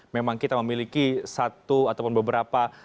memang kita memiliki satu ataupun beberapa